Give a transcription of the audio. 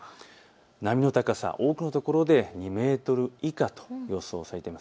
波の高さ、多くの所で２メートル以下と予想されています。